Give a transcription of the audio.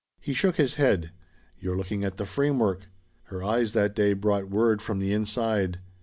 He shook his head. "You're looking at the framework. Her eyes that day brought word from the inside.